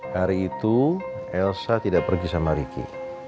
hari itu elsa tidak pergi sama ricky